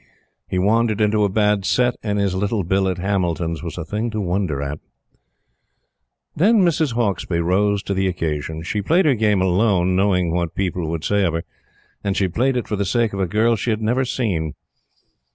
He wandered into a bad set, and his little bill at Hamilton's was a thing to wonder at. Then Mrs. Hauksbee rose to the occasion. She played her game alone, knowing what people would say of her; and she played it for the sake of a girl she had never seen.